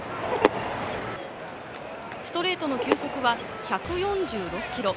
ストレートの球速は１４６キロ。